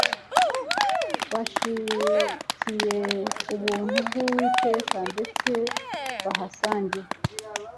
bashikiye ubuntu bw Uwiteka ndetse bahasange